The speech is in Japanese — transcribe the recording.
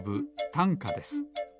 たんかです。